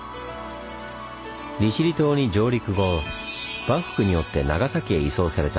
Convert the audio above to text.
利尻島に上陸後幕府によって長崎へ移送されたマクドナルド。